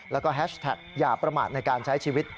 แล้วก็แฮชแท็กอย่าประมาทในการใช้ชีวิต